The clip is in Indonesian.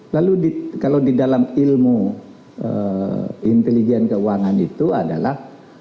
lalu kalau di dalam ilmu intelijen keuangan itu adalah